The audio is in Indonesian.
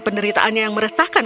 penderitaannya yang meresahkan